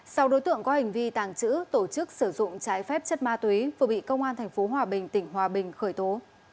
sau đối tượng có hành vi tàng trữ tổ chức sử dụng trái phép chất ma túy vừa bị công an tp hòa bình tỉnh hòa bình khởi tố